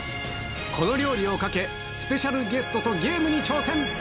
この料理をかけ、スペシャルゲストとゲームに挑戦。